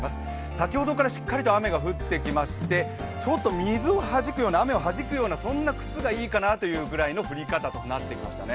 先ほどからしっかり雨が降ってきましてちょっと水をはじくような、雨をはじくような靴がいいかなというくらいの降り方になってきましたね。